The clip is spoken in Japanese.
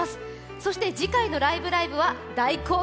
そして次回の「ライブ！ライブ！」は大好評